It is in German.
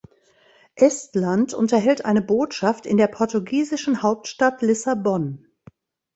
Estland unterhält eine Botschaft in der portugiesischen Hauptstadt Lissabon.